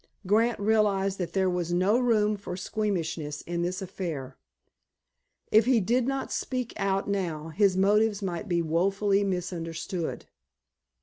Grant realized that there was no room for squeamishness in this affair. If he did not speak out now, his motives might be woefully misunderstood.